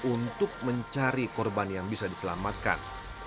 untuk mencari korban yang bisa diselamatkan